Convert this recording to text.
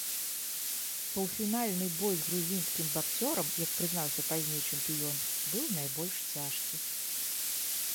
Паўфінальны бой з грузінскім баксёрам, як прызнаўся пазней чэмпіён, быў найбольш цяжкі.